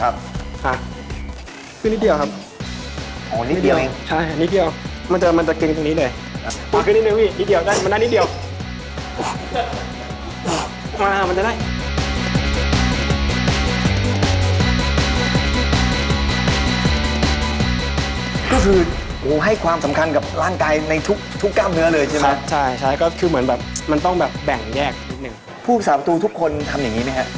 แล้วก็พยายามจับความรู้สึกไปตรงมากตรงนี้